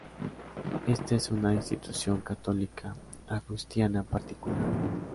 Esta es una institución católica Agustiniana particular.